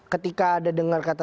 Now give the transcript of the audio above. ketika ada dengar kata